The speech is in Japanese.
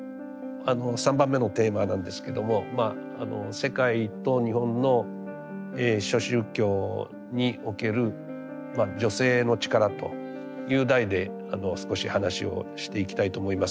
３番目のテーマなんですけども「世界と日本の諸宗教における女性の力」という題で少し話をしていきたいと思います。